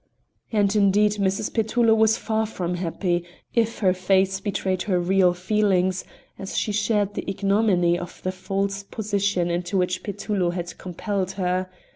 And indeed Mrs. Petullo was far from happy, if her face betrayed her real feelings, as she shared the ignominy of the false position into which Petullo had compelled her.